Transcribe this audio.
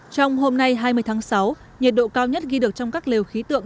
trong hôm nay hai mươi tháng sáu nhiệt độ cao nhất ghi được trong các lều khí tượng